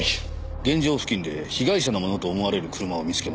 現場付近で被害者のものと思われる車を見つけました。